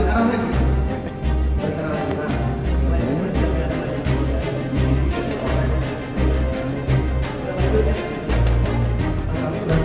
jalan di depan yang di gerak tkp yang di gerak tkp tkp